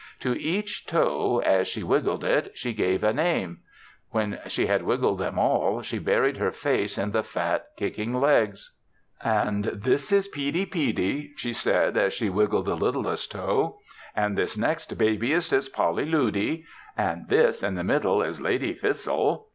To each toe as she wiggled it, she gave a name; when she had wiggled them all she buried her face in the fat, kicking legs. "And this is Peedy Peedy," she said as she wiggled the littlest toe. "And this next babiest is Polly Loody. And this in the middle is Lady Fissle.